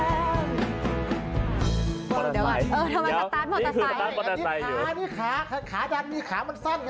อันนี้กำลังคิดว่าขาเดียวที่ถีบไปข้างหลังนะคะ